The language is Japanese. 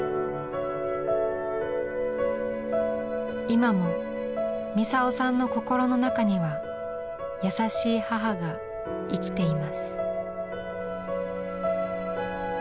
今もミサオさんの心の中には優しい母が生きています。